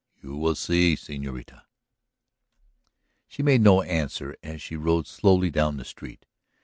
You will see, señorita." She made no answer as she rode slowly down the street.